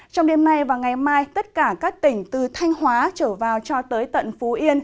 trong đêm nay và ngày mai tất cả các tỉnh từ thanh hóa trở vào cho tới tận phú yên